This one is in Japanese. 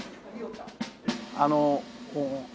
あの。